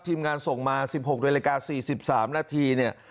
ทีมงานส่งมา๑๖ด้วยรายการ๔๓นาที